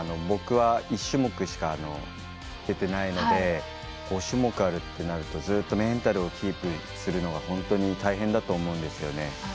僕は、１種目しか出てないので５種目あるってなるとずっとメンタルをキープするのは本当に大変だと思うんですよね。